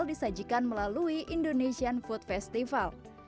disajikan melalui indonesian food festival